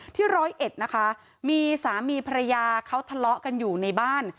ร้อยเอ็ดนะคะมีสามีภรรยาเขาทะเลาะกันอยู่ในบ้าน